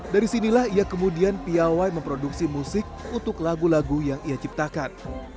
dari sinilah ia kemudian piawai memproduksi musik untuk lagu lagu yang ia ciptakan